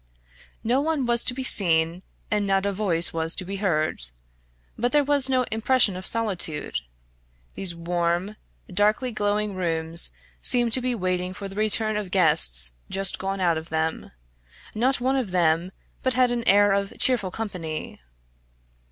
No one was to be seen, and not a voice was to be heard; but there was no impression of solitude. These warm, darkly glowing rooms seemed to be waiting for the return of guests just gone out of them; not one of them but had an air of cheerful company.